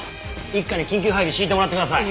一課に緊急配備敷いてもらってください！